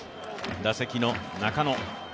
打席の中野。